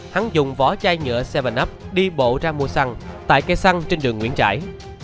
hắn dùng vỏ chai nhựa cvan up đi bộ ra mua xăng tại cây xăng trên đường nguyễn trãi